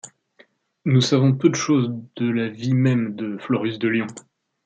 Nous savons peu de choses de la vie même de Florus de Lyon.